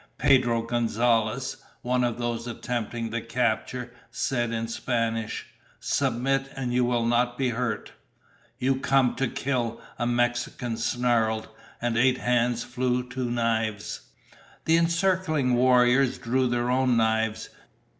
Pedro Gonzalez, one of those attempting the capture, said in Spanish, "Submit and you will not be hurt." "You come to kill!" a Mexican snarled, and eight hands flew to knives. The encircling warriors drew their own knives.